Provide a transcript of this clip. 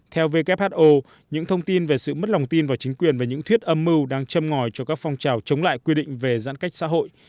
theo who những thông tin về sự mất lòng tin vào chính quyền về những thuyết âm mưu đang châm ngòi cho các phong trào chống lại quy định về giãn cách xã hội